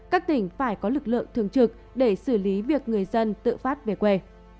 các tỉnh phải có lực lượng thường trực để xử lý việc người dân tự phát về quê